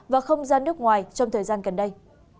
và không gian nước ngoài trong thời gian gần đây